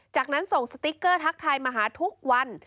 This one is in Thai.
จากนั้นส่งสติ๊กเกอร์ทักทายมาหาทุกวัน